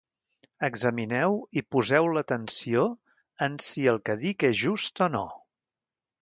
Examineu i poseu l'atenció en si el que dic és just o no.